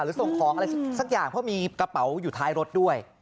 ส่งของอะไรสักอย่างเพราะมีกระเป๋าอยู่ท้ายรถด้วย